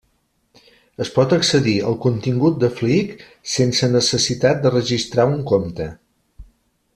Es pot accedir al contingut de Flickr sense necessitat de registrar un compte.